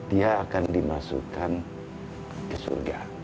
dia akan dimasukkan ke surga